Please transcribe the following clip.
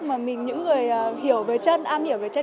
mà mình những người hiểu về chân am hiểu về chân